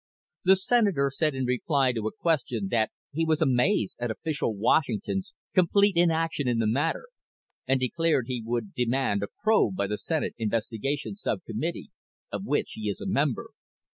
_ _The Senator said in reply to a question that he was "amazed" at official Washington's "complete inaction" in the matter, and declared he would demand a probe by the Senate Investigations Subcommittee, of which he is a member.